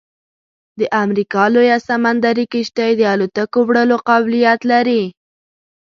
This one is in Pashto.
د امریکا لویه سمندري کشتۍ د الوتکو وړلو قابلیت لري